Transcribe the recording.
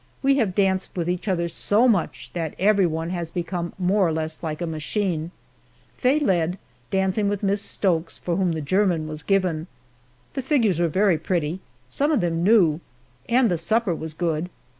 We have danced with each other so much that everyone has become more or less like a machine. Faye led, dancing with Miss Stokes, for whom the german was given. The figures were very pretty some of them new and the supper was good.